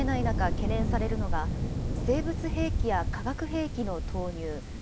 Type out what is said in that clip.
中懸念されるのが、生物兵器や化学兵器の投入。